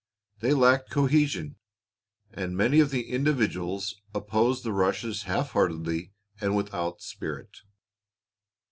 They lacked cohesion, and many of the individuals opposed the rushes half heartedly and without spirit.